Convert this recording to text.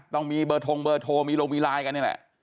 ต้องมีเบอร์ทงเบอร์โทรมีลงมีไลน์กันนี่แหละ